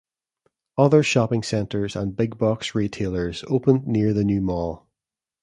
Other shopping centers and big box retailers opened near the new mall.